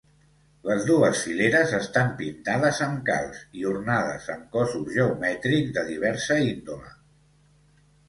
Les dues fileres estan pintades amb calç i ornades amb cossos geomètrics de diversa índole.